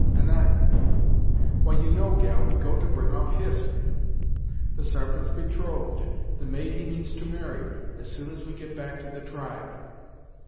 "Anan! Why you know, gal, we go to bring off Hist, the Sarpent's betrothed the maid he means to marry, as soon as we get back to the tribe."